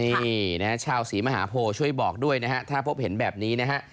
นี่นะฮะชาวศรีมหาโพช่วยบอกด้วยนะฮะถ้าพบเห็นแบบนี้นะฮะ